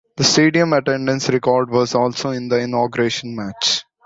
The stadium attendance record was also in the inauguration match.